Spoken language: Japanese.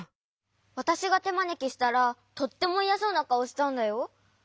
わたしがてまねきしたらとってもいやそうなかおしたんだよ。